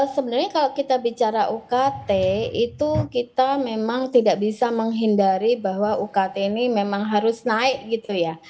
sebenarnya kalau kita bicara ukt itu kita memang tidak bisa menghindari bahwa ukt ini memang harus naik gitu ya